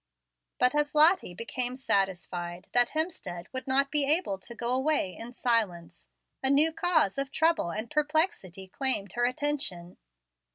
But as Lottie became satisfied that Hemstead would not be able to go away in silence, a new cause of trouble and perplexity claimed her attention.